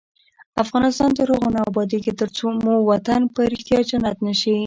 افغانستان تر هغو نه ابادیږي، ترڅو مو وطن په ریښتیا جنت نشي.